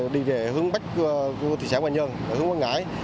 đi về hướng bách của thị xã hoàng nhơn hướng quang ngãi